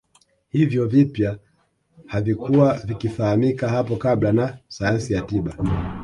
Hivyo vipya havikuwa vikifahamika hapo kabla na sayansi ya tiba